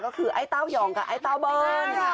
ก็คือไอ้เต้าหย่องกับไอ้เต้าเบิ้ล